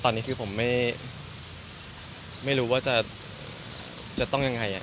ตอนนี้คือผมไม่รู้ว่าจะต้องยังไง